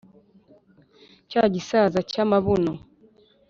cya gisaza cy’amabuno